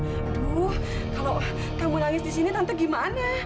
aduh kalau kamu nangis di sini tante gimana